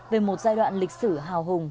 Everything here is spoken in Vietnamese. về một giai đoạn lịch sử hào hùng